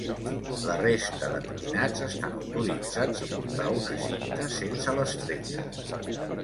La resta de nominats estan autoritzats a portar una cinta sense l'estrella.